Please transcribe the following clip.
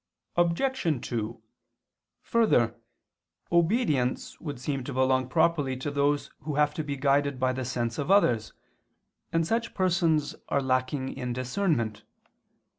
Obj. 2: Further, obedience would seem to belong properly to those who have to be guided by the sense of others, and such persons are lacking in discernment.